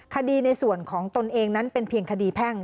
ในส่วนของตนเองนั้นเป็นเพียงคดีแพ่ง